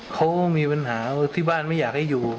เขาก็มีปัญหาว่าที่บ้านไม่อยากให้อยู่